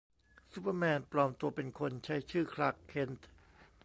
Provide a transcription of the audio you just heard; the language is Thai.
ซูเปอร์แมน ปลอมตัวเป็นคน ใช้ชื่อคลาร์ก เคนต์